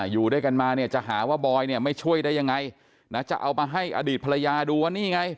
อยู่ด้วยกันมาเนี่ยจะหาว่าบอยเนี่ยไม่ช่วยได้ยังไงนะจะเอามาให้อดีตภรรยาดูว่านี่ไง